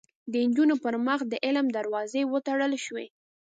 د نجونو پر مخ د علم دروازې وتړل شوې